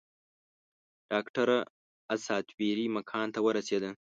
ډاکټره اساطیري مکان ته ورسېده.